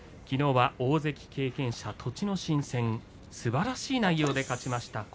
きのうは大関経験者、栃ノ心戦すばらしい内容で勝ちました。